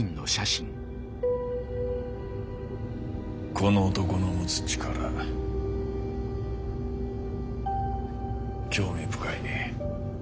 この男の持つ力興味深いね。